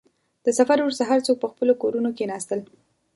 • د سفر وروسته، هر څوک په خپلو کورونو کښېناستل.